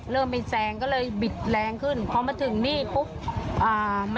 เริ่มไปแซงก็เลยบิดแรงขึ้นเพราะเมื่อถึงนี่ปุ๊บ